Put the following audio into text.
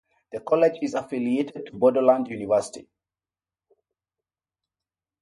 The college is affiliated to Bodoland University.